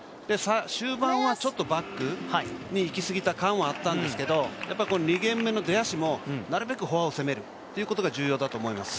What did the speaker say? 終盤はちょっとバックにいきすぎた感はあったんですけどやっぱり２ゲーム目の出足もなるべくフォアを攻めるということが重要だと思います。